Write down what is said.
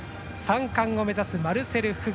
３冠を目指すマルセル・フグ。